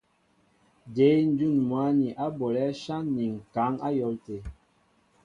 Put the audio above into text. Jě ǹjún mwǎ ni á bolɛ̌ áshán ni ŋ̀kaŋ á yɔ̌l tê ?